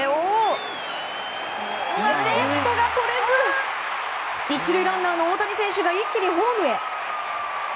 レフトがとれず１塁ランナーの大谷選手が一気にホームへ。